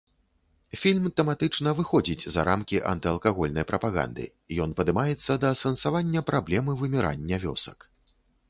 Фільм тэматычна выходзіць за рамкі антыалкагольнай прапаганды, ён падымаецца да асэнсавання праблемы вымірання вёсак.